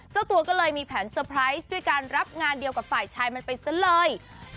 เจ้าตัวก็เลยมีแผนเตอร์ไพรส์ด้วยการรับงานเดียวกับฝ่ายชายมันไปซะเลย